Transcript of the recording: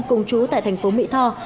cùng chú tại thành phố mỹ tho